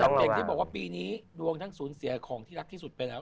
อย่างที่บอกว่าปีนี้ดวงทั้งสูญเสียของที่รักที่สุดไปแล้ว